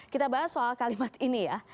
kita bahas soal kalimat ini ya